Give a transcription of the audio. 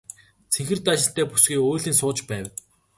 Цэнхэр даашинзтай бүсгүй уйлан сууж байв.